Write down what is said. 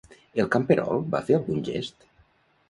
El camperol va fer algun gest?